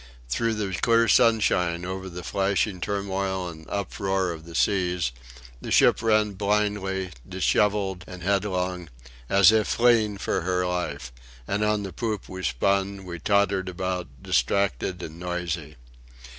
Through the clear sunshine, over the flashing turmoil and uproar of the seas, the ship ran blindly, dishevelled and headlong, as if fleeing for her life; and on the poop we spun, we tottered about, distracted and noisy.